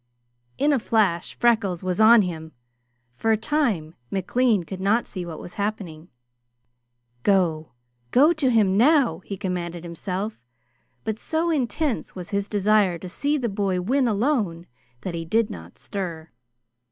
In a flash Freckles was on him. For a time McLean could not see what was happening. "Go! Go to him now!" he commanded himself, but so intense was his desire to see the boy win alone that he did not stir.